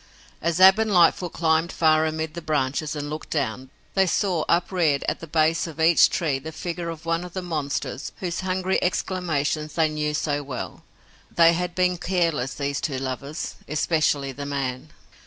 As Ab and Lightfoot climbed far amid the branches and looked down, they saw upreared at the base of each tree the figure of one of the monsters whose hungry exclamations they knew so well. They had been careless, these two lovers, especially the man.